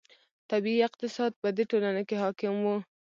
طبیعي اقتصاد په دې ټولنو کې حاکم و.